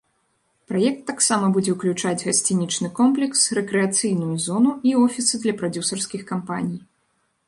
Праект таксама будзе ўключаць гасцінічны комплекс, рэкрэацыйную зону і офісы для прадзюсарскіх кампаній.